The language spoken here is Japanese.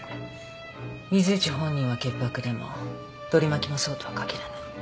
水内本人は潔白でも取り巻きもそうとはかぎらない。